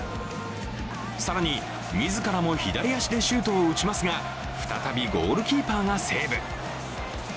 更に、自らも左足でシュートを打ちますが、再びゴールキーパーがセーブ。